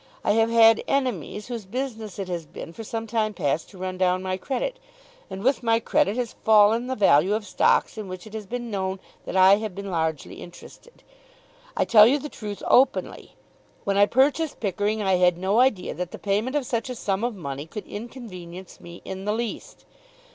I have had enemies whose business it has been for some time past to run down my credit, and, with my credit, has fallen the value of stocks in which it has been known that I have been largely interested. I tell you the truth openly. When I purchased Pickering I had no idea that the payment of such a sum of money could inconvenience me in the least.